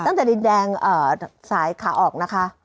ตั้งแต่ดินแดงสายขาออกนะคะ